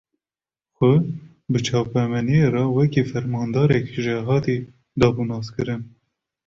Xwe, bi çapemeniyê re wekî fermandarekî jêhatî, dabû naskirin